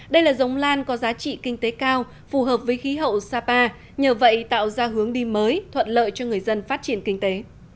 đây là giống lan có giá trị kinh tế cao phù hợp với khí hậu sapa nhờ vậy tạo ra hướng đi mới thuận lợi cho người dân phát triển kinh tế